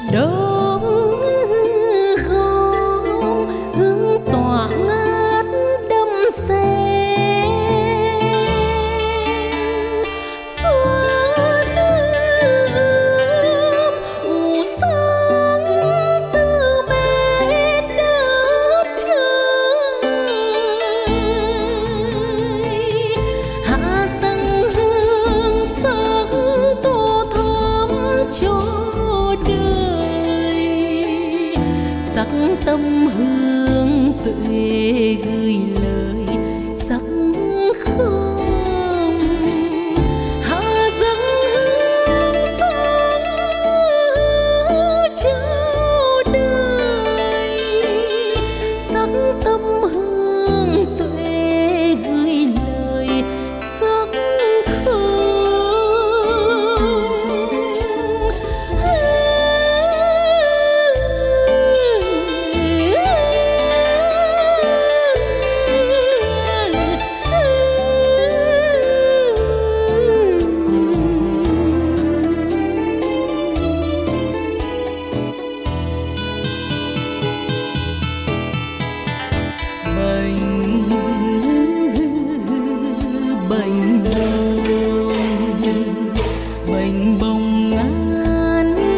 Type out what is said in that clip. đông hương hương tận dưới bùn đen